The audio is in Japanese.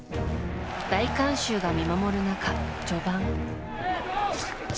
大観衆が見守る中、序盤。